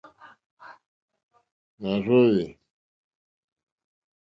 Nà rzóhwè.